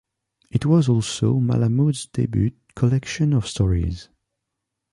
It was also Malamud's debut collection of stories.